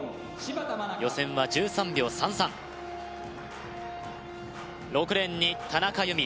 予選は１３秒３３６レーンに田中佑美